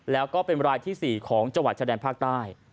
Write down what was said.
แล้วก็เป็นรายที่๔ของจังหวัดชายแดนภาคใต้